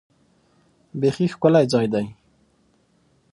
بیخي ښکلی ځای دی .